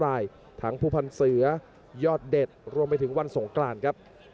ลายทั้งภูพันธ์เสือยอดเด็ดรวมไปถึงวันสงกรานครับ